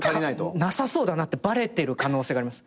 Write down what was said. なさそうだなってバレてる可能性があります。